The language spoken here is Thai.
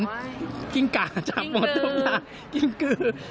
จริงกะจับหมดทุกอย่างจริงกลือ